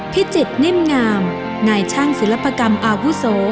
พิจิตรนิ่มงามนายช่างศิลปกรรมอาวุโส